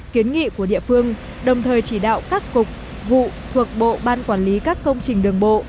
kiến nghị của địa phương đồng thời chỉ đạo các cục vụ thuộc bộ ban quản lý các công trình đường bộ